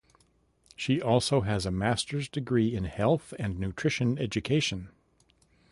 She also has a Master's degree in Health and Nutrition Education.